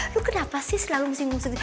lu kenapa sih selalu musing musing